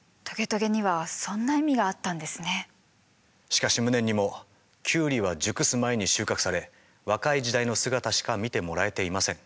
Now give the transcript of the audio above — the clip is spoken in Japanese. しかし無念にもキュウリは熟す前に収穫され若い時代の姿しか見てもらえていません。